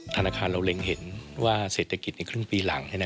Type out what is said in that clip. ธนาคารเราเล็งเห็นว่าเศรษฐกิจในครึ่งปีหลัง